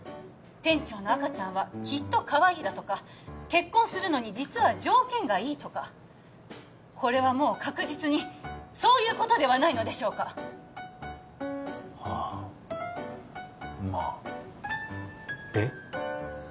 「店長の赤ちゃんはきっとかわいい」だとか「結婚するのに実は条件がいい」とかこれはもう確実にそういうことではないのでしょうかはあまあで？